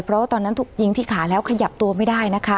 เพราะว่าตอนนั้นถูกยิงที่ขาแล้วขยับตัวไม่ได้นะคะ